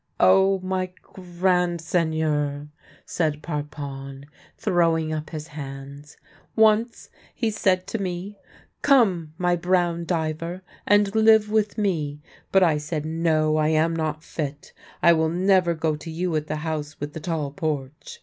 " Oh, my grand Seigneur! " said Parpon, throwing up his hands. " Once he said to me, ' Come, my brown diver, and live with me.' But I said, * No, I am not fit. I will never go to you at the House with the Tall Porch.'